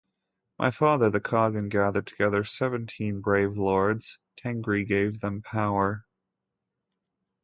My father, the kagan gathered together seventeen brave Lords... Tengri gave them power.